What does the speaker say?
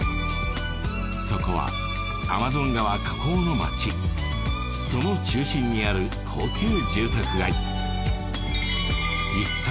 そこはアマゾン川河口の町その中心にある高級住宅街